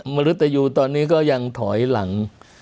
มนุษยูตอนนี้ก็ยังถอยหลัง